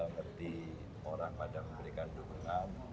ngerti orang pada memberikan dukungan